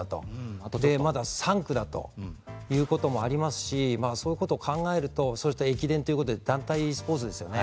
あと、まだ３区だとそういうこともありますしそういうことを考えると駅伝ということで団体スポーツですよね。